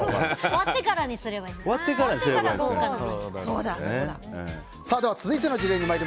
終わってからにすればいいじゃない？